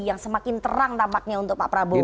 yang semakin terang tampaknya untuk pak prabowo